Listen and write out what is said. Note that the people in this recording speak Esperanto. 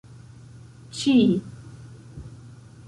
ĉi